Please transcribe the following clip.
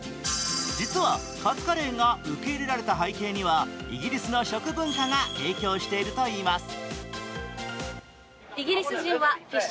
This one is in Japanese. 実はカツカレーが受け入れられた背景にはイギリスの食文化が影響しているといいます。